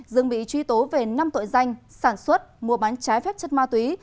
dương bị truy tố về năm tội danh sản xuất mua bán trái phép chất ma túy